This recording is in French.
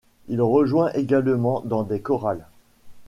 Il rejoint également dans des chorales.